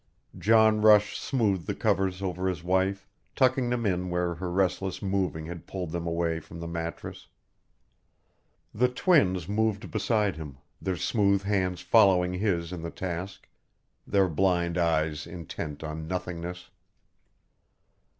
John Rush smoothed the covers over his wife, tucking them in where her restless moving had pulled them away from the mattress. The twins moved beside him, their smooth hands following his in the task, their blind eyes intent on nothingness.